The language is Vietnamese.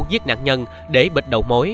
giết nạn nhân để bịt đầu mối